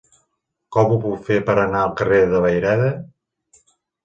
Com ho puc fer per anar al carrer de Vayreda?